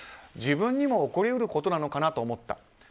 自分にも起こり得ることなのかなと思った。